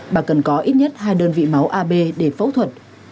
bà cần có ít nhất hai đơn vị máu ab để phẫu thuật